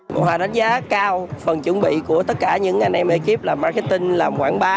một hòa đánh giá cao phần chuẩn bị của tất cả những anh em ekip làm marketing làm quảng bá